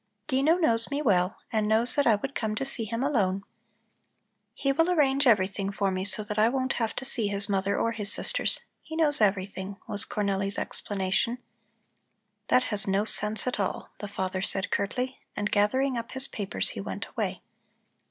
"Dino knows me well and knows that I would come to see him alone. He will arrange everything for me so that I won't have to see his mother or his sisters. He knows everything," was Cornelli's explanation. "That has no sense at all," the father said curtly, and gathering up his papers he went away.